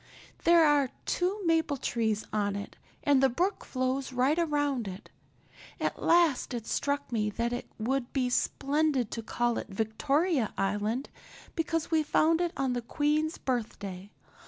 There are two maple trees on it and the brook flows right around it. At last it struck me that it would be splendid to call it Victoria Island because we found it on the Queen's birthday.